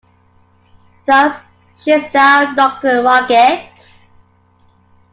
Thus, she is now Doctor Margetts.